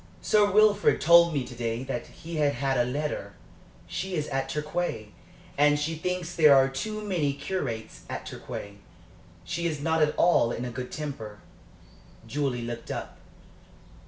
"Sir Wilfrid told me to day that he had had a letter. She is at Torquay, and she thinks there are too many curates at Torquay. She is not at all in a good temper." Julie looked up.